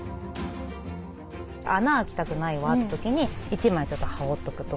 穴開きたくないわって時に１枚ちょっと羽織っとくとか。